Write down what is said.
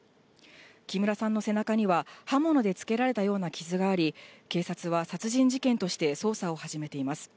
木村さんの背中には、刃物でつけられたような傷があり、警察は殺人事件として捜査を始めています。